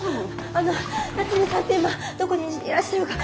あの八海さんって今どこにいらっしゃるかご存じですか？